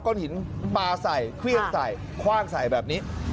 ้นหินปลาใส่เครื่องใส่คว่างใส่แบบนี้